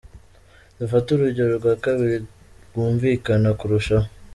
Dufate urugero rwa kabiri rwumvikana kurushaho.